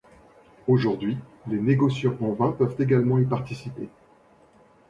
Aujourd'hui, les négociants en vin peuvent également y participer.